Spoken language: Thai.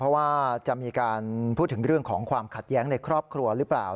เพราะว่าจะมีการพูดถึงเรื่องของความขัดแย้งในครอบครัวหรือเปล่า